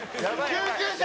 救急車」